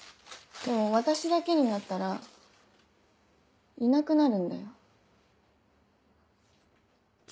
でも私だけになったらいなくなるんだよ。